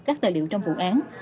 các tài liệu trong vụ án